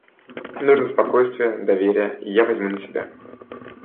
Нужно спокойствие, доверие, и я возьму на себя.